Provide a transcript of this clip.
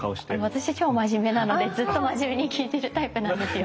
私超真面目なのでずっと真面目に聞いてるタイプなんですよ。